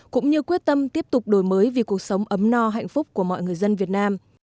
cũng như quyết tâm tiếp tục đổi mới vì cuộc sống ấm no hạnh phúc của mọi người dân việt nam